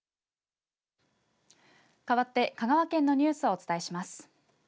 かわって香川県のニュースをお伝えします。